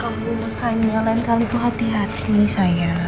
kamu tanya lancar itu hati hati sayang